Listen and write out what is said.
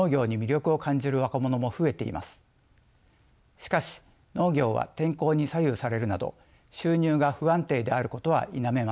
しかし農業は天候に左右されるなど収入が不安定であることは否めません。